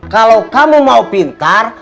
kalau kamu mau pintar